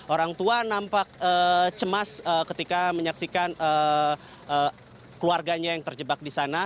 orang tua nampak cemas ketika menyaksikan keluarganya yang terjebak di sana